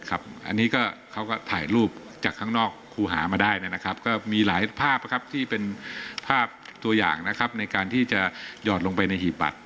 อันนี้ก็เขาก็ถ่ายรูปจากข้างนอกครูหามาได้นะครับก็มีหลายภาพที่เป็นภาพตัวอย่างนะครับในการที่จะหยอดลงไปในหีบบัตร